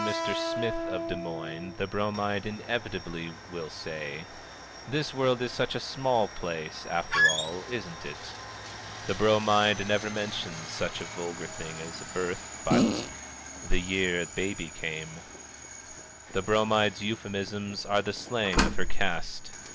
]If you both happen to know Mr. Smith of Des Moines, the Bromide inevitably will say: "This world is such a small place, after all, isn't it?" The Bromide never mentions such a vulgar thing as a birth, but "The Year Baby Came." The Bromide's euphemisms are the slang of her caste.